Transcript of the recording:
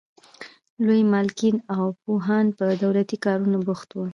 لوی مالکین او پوهان په دولتي کارونو بوخت وو.